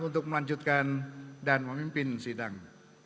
untuk melanjutkan dan memimpin sidang